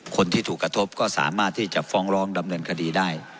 คนที่ถูกกระทบก็สามารถที่จะฟ้องร้องดำเนินคดีได้